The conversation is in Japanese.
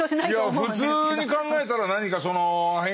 いや普通に考えたら何かそのアヘン